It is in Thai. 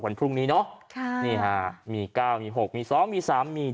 พรุ่งนี้เนอะค่ะนี่ฮะมีเก้ามีหกมีสองมีสามมี